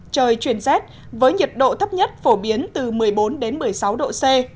trời chuyển rét với nhiệt độ thấp nhất phổ biến từ một mươi bốn đến một mươi sáu độ c